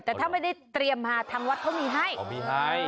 แต่ถ้าไม่ได้เตรียมมาทางวัดเขามีให้เขามีให้